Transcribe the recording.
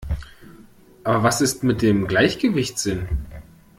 Aber was ist mit dem Gleichgewichtssinn?